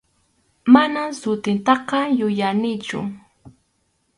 Manam sutintaqa yuyanichu.